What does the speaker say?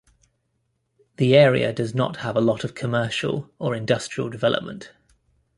The area does not have a lot of commercial or industrial development.